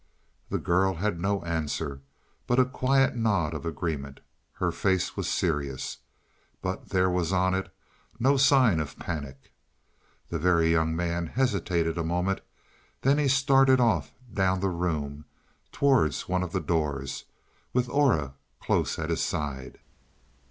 The girl had no answer but a quiet nod of agreement. Her face was serious, but there was on it no sign of panic. The Very Young Man hesitated a moment; then he started off down the room towards one of the doors, with Aura close at his side.